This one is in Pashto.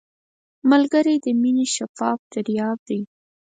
ملګری د مینې شفاف دریاب دی